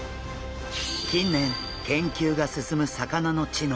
近年研究が進む魚の知能。